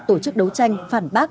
tổ chức đấu tranh phản bác